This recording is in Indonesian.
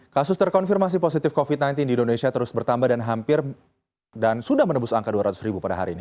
kasus terkonfirmasi positif covid sembilan belas di indonesia terus bertambah dan hampir dan sudah menembus angka dua ratus ribu pada hari ini